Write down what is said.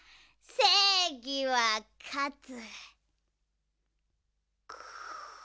せいぎはかつ。